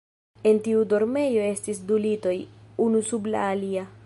En tiu dormejo estis du litoj, unu sub la alia.